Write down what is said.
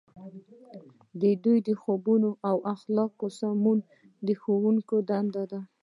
د دوی د خویونو او اخلاقو سمول د ښوونکو دنده ده.